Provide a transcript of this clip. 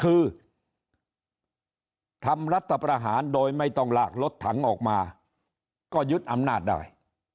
คือทำรัฐประหารโดยไม่ต้องลากรถถังออกมาก็ยึดอำนาจได้